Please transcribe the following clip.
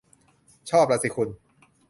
ชอบล่ะสิคุณ